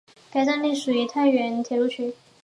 该站隶属太原铁路局。